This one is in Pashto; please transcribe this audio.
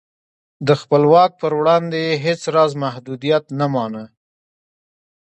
د خپل واک پر وړاندې یې هېڅ راز محدودیت نه مانه.